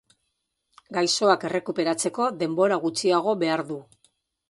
Gaixoak errekuperatzeko denbora gutxiago behar du.